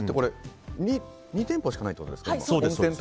２店舗しかないってことですよね。